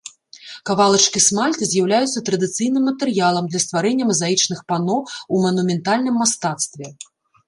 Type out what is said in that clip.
Кавалачкі смальты з'яўляюцца традыцыйным матэрыялам для стварэння мазаічных пано, у манументальным мастацтве.